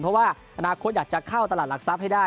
เพราะว่าอนาคตอยากจะเข้าตลาดหลักทรัพย์ให้ได้